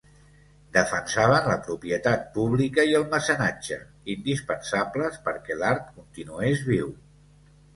Defensaven la propietat pública i el mecenatge, indispensables perquè l'art continués viu.